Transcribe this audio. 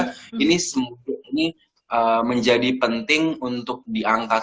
jadi sehingga ini semoga ini menjadi penting untuk di angkat